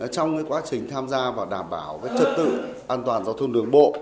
trong quá trình tham gia và đảm bảo trật tự an toàn giao thông đường bộ